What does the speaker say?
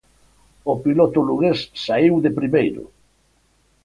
O piloto lugués saíu de primeiro.